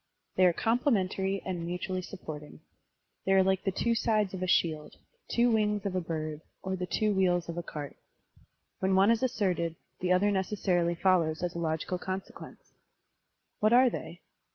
They are complementary and mutually supporting. They are like the two sides of a shield, the two wings of a bird, or the two wheels of a cart. When one is asserted, the other necessarily follows as a logical consequence. What are they?